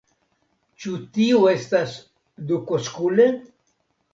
Ĉu tiu estas duko Skule?